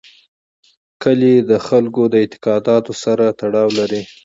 کلي د خلکو له اعتقاداتو سره تړاو لري.